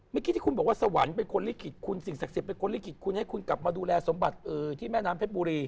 เมื่อกี้ที่คุณบอกว่าสวรรค์เป็นคนลิขิตคุณสิ่งศักดิ์สิทธิ์เป็นคนลิขิตคุณให้คุณกลับมาดูแลสมบัติที่แม่น้ำเพชรบุรี